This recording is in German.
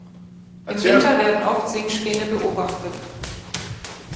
Im Winter werden oft Singschwäne beobachtet.